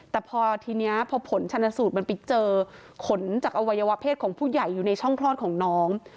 แต่พอทีนี้พอผลชนสูตรมันไปเจอขนจากอวัยวะเพศของผู้ใหญ่อยู่ในช่องคลอดของน้อง